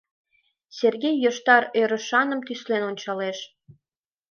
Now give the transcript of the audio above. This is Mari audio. Сергей йошкар ӧрышаным тӱслен ончалеш.